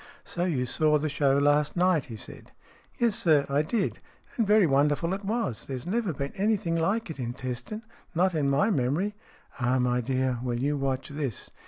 " So you saw the show last night," he said. " Yes, sir, I did. And very wonderful it was. There has never been anything like it in Teston, not in my memory." " Ah, my dear. Well, you watch this."